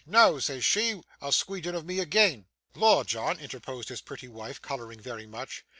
"Noa," says she, a squeedgin of me agean.' 'Lor, John!' interposed his pretty wife, colouring very much.